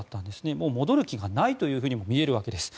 もう戻る気がないとも見えるわけです。